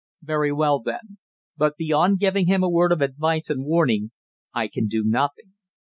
"Very well, then; but beyond giving him a word of advice and warning; I can do nothing."